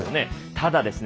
ただですね